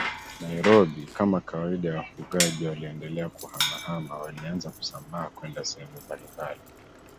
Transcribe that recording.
NairobiKama kawaida ya wafugaji waliendelea kuhamahama Walianza kusambaa kwenda sehemu mbalimbali